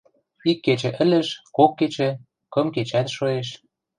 Ик кечӹ ӹлӹш, кок кечӹ, кым кечӓт шоэш.